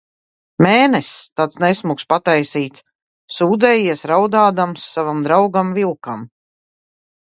Mēness, tāds nesmuks pataisīts, sūdzējies raudādams savam draugam vilkam.